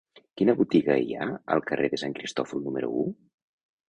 Quina botiga hi ha al carrer de Sant Cristòfol número u?